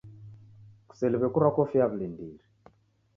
Kuseliwe kurwa kofia ya wulindiri.